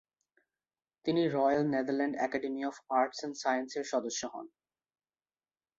তিনি Royal Netherland Academy of Arts and Sciences এর সদস্য হন।